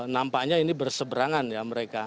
nampaknya ini berseberangan ya mereka